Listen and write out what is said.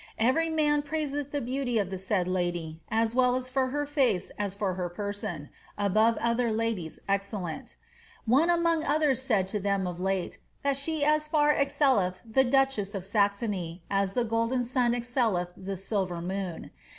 Every man praiseth the beauty of the said lady, as well for her face as for her person, above other ladies excellent. One among others said to them of late, that she as far excelleth the duchess of Sax ony, as the golden sun excelleth the silver moon.